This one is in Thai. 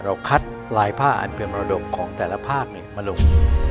เราคัดลายผ้าอันเพิ่มระดบของแต่ละภาคเนี่ยมาลง